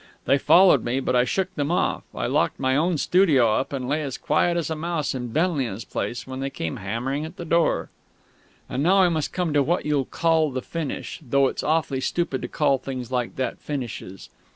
They followed me, but I shook them off. I locked my own studio up, and lay as quiet as a mouse in Benlian's place when they came hammering at the door.... And now I must come to what you'll called the finish though it's awfully stupid to call things like that "finishes."